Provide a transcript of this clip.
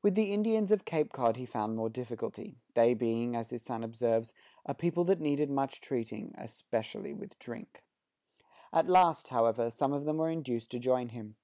With the Indians of Cape Cod he found more difficulty, they being, as his son observes, "a people that need much treating, especially with drink." At last, however, some of them were induced to join him.